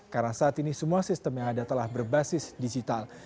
karena saat ini semua sistem yang ada telah berbasis digital